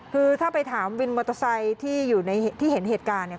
คือถ้าไปถามวินมอเตอร์ไซด์ที่เห็นเหตุการณ์